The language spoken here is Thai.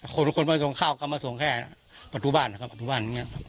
คนมาส่งข้าวก็มาส่งแค่ประตูบ้านนะครับประตูบ้าน